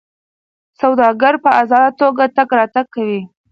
سوداګر په ازاده توګه تګ راتګ کوي.